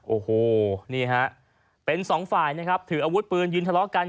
โอ้โหนี่ฮะเป็นสองฝ่ายนะครับถืออาวุธปืนยืนทะเลาะกัน